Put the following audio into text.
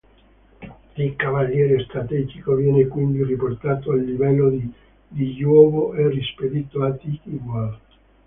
Il Cavaliere Strategico viene quindi riportato al livello di Digiuovo e rispedito a Digiworld.